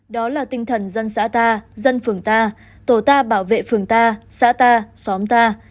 đó là tinh thần dân xã ta dân phường ta tổ ta bảo vệ phường ta xã ta xóm ta